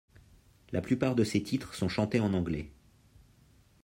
La plupart de ses titres sont chantés en anglais.